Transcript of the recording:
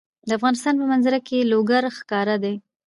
د افغانستان په منظره کې لوگر ښکاره ده.